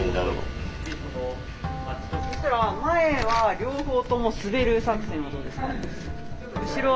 そしたら前は両方とも滑る作戦はどうですか？